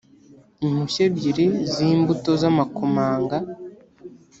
impushya ebyiri z’imbuto z’amakomanga